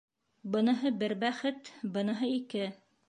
— Быныһы бер бәхет, быныһы ике...